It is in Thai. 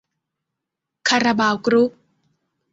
คาราบาวกรุ๊ป